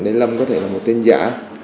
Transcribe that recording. nên lâm có thể là một tên giả